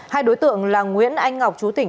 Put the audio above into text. hai đối tượng là nguyễn anh ngọc chú tỉnh